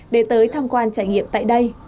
để tới tham quan trải nghiệm tại đây